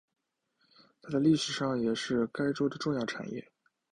在历史上也是该州的重要产业。